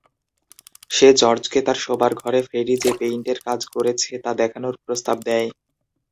সে জর্জকে তার শোবার ঘরে ফ্রেডি যে পেইন্টের কাজ করেছে তা দেখানোর প্রস্তাব দেয়।